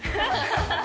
ハハハ